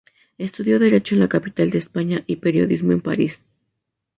Estudió Derecho en la capital de España y periodismo en París.